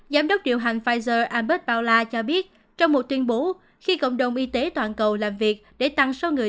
giám đốc điều hành pfizer abez paula cho biết trong một tuyên bố khi cộng đồng y tế toàn cầu làm việc để tăng số người